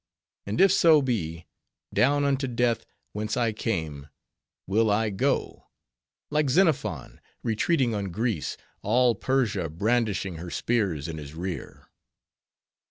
And if so be, down unto death, whence I came, will I go, like Xenophon retreating on Greece, all Persia brandishing her spears in his rear.